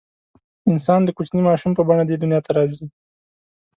انسان د کوچني ماشوم په بڼه دې دنیا ته راځي.